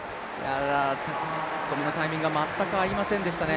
突っ込みのタイミングが全く合いませんでしたね。